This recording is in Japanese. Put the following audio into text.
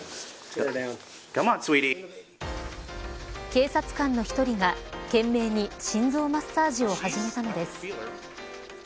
警察官の１人が懸命に心臓マッサージを始めたのです。